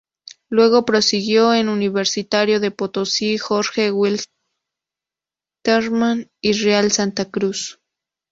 Luego prosiguió en Universitario de Potosí, Jorge Wilstermann y Real Santa Cruz.